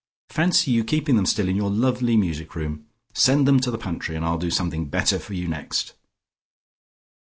Fancy your keeping them still in your lovely music room. Send them to the pantry, and I'll do something better for you next."